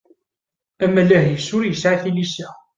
Amaleh-is ur yesɛi tilisa.